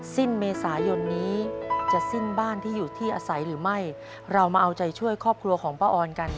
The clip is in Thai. สิ้นเมษายนนี้จะสิ้นบ้านที่อยู่ที่อาศัยหรือไม่เรามาเอาใจช่วยครอบครัวของป้าออนกัน